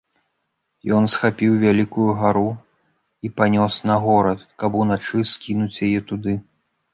Ён схапіў вялікую гару і панёс на горад, каб уначы скінуць яе туды.